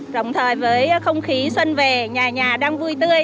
đồng thời với không khí xuân về nhà nhà đang vui tươi